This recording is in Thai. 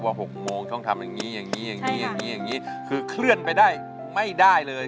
ว่า๖โมงต้องทำอย่างนี้อย่างนี้อย่างนี้คือเคลื่อนไปได้ไม่ได้เลย